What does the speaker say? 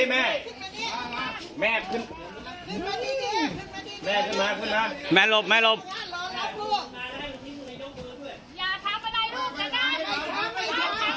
อย่าทำอะไรรูปกัน